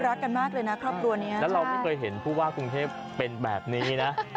รักกันมากเลยนะครอบครัวนี้แล้วเราไม่เคยเห็นผู้ว่ากรุงเทพเป็นแบบนี้นะ